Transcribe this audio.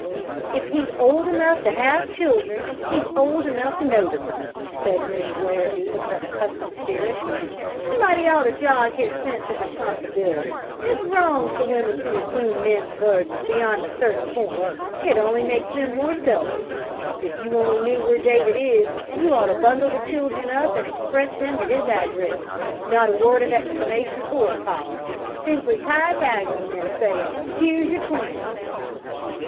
"If he's old enough to have children, he's old enough to notice them," said Mrs. Larrabee with her accustomed spirit. "Somebody ought to jog his sense of responsibility. It's wrong for women to assume men's burdens beyond a certain point; it only makes them more selfish. If you only knew where David is, you ought to bundle the children up and express them to his address. Not a word of explanation or apology; simply tie a tag on them, saying, 'Here's your Twins!'"